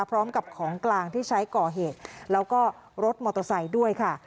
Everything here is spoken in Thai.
พร้อมกับของกลางที่ใช้ก่อเหตุแล้วก็รถมอเตอร์ไซค์ด้วยค่ะ